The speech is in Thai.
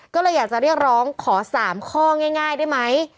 ก็เลยอยากจะเรียกร้องขอ๓ข้อง่ายได้ไหม